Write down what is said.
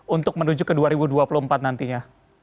untuk menuju ke dua ribu dua puluh empat nantinya